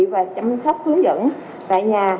và chăm sóc hướng dẫn tại nhà